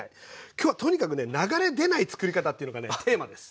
今日はとにかくね流れ出ないつくり方っていうのがねテーマです！